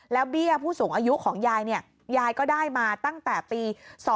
แล้วเบี้ยผู้สูงอายุของยายยายก็ได้มาตั้งแต่ปี๒๕๖